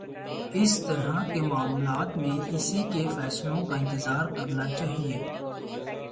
اِس طرح کے معاملات میں اُسی کے فیصلوں کا انتظار کرنا چاہیے